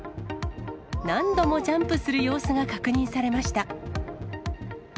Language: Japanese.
何度もジャンプする様子が確認されました。